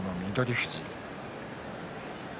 富士。